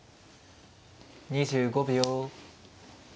２５秒。